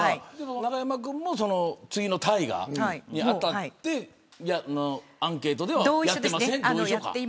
永山君も次の大河に当たってアンケートではやってませんって。